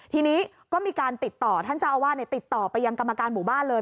ทีนี้ก็มีการติดต่อท่านเจ้าอาวาสติดต่อไปยังกรรมการหมู่บ้านเลย